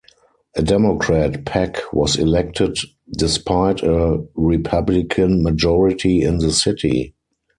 A Democrat, Peck was elected despite a Republican majority in the city.